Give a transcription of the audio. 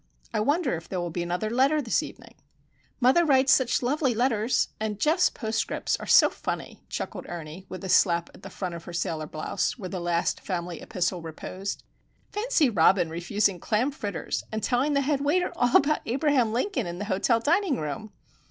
I wonder if there will be another letter this evening." "Mother writes such lovely letters, and Geof's postscripts are so funny," chuckled Ernie, with a slap at the front of her sailor blouse, where the last family epistle reposed. "Fancy Robin refusing clam fritters, and telling the head waiter all about Abraham Lincoln in the hotel dining room!"